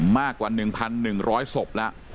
มากกว่า๑๑๐๐ศพแล้ว